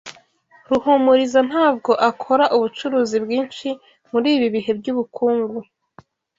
Ruhumuriza ntabwo akora ubucuruzi bwinshi muri ibi bihe byubukungu.